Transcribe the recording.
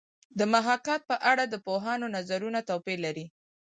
د محاکات په اړه د پوهانو نظرونه توپیر لري